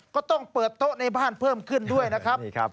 ก็ต้องเปิดโต๊ะในบ้านเพิ่มขึ้นด้วยนะครับ